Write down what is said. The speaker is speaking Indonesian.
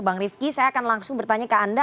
bang rifki saya akan langsung bertanya ke anda